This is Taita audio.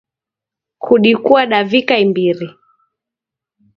Kudikua davika imbiri